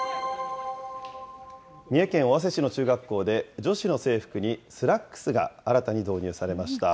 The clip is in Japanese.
三重県尾鷲市の中学校で、女子の制服にスラックスが新たに導入されました。